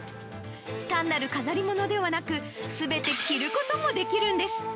単なる飾り物ではなく、すべて着ることもできるんです。